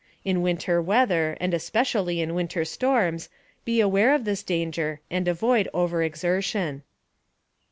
In winter weather, and especially in winter storms, be aware of this danger, and avoid overexertion.